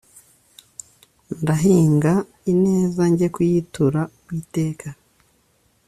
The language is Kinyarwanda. ndahinga ineza njye kuyitura uwiteka